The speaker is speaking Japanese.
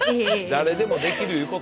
誰でもできるいうことや。